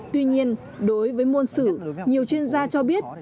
tuy nhiên đối với môn sử nhiều chuyên gia cho biết